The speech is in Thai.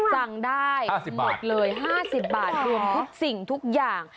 สั่งได้หมดเลย๕๐บาทรวมทุกสิ่งทุกอย่าง